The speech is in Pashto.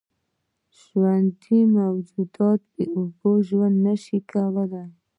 ژوندي موجودات بېاوبو ژوند نشي کولی.